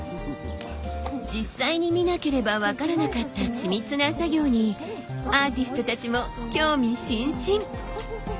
実際に見なければ分からなかった緻密な作業にアーティストたちも興味津々。